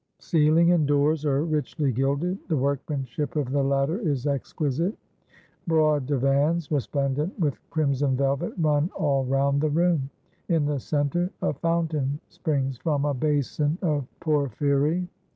Ceiling and doors are richly gilded; the workmanship of the latter is exquisite. Broad divans, resplendent with crimson velvet, run all round the room. In the centre a fountain springs from a basin of porphyry.